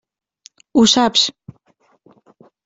Ho saps.